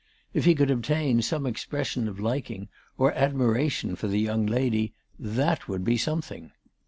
If he could obtain some expression of liking or admiration for the young lady that would be something.